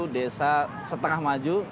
ada desa setengah maju